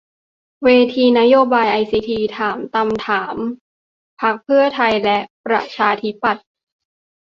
เวทีนโยบายไอซีที ถามฏำถามพรรคเพื่อไทยและประชาธิปัตย์